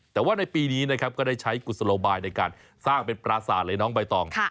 แต่ว่าในปีนี้นะครับก็ได้ใช้กุศโลบายในการสร้างเป็นปราศาสตร์เลยน้องใบตอง